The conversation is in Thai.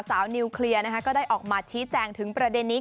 นิวเคลียร์นะคะก็ได้ออกมาชี้แจงถึงประเด็นนี้